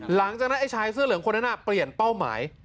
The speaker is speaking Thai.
หลังจากนั้นไอ้ชายเสื้อเหลืองคนนั้นเปลี่ยนเป้าหมาย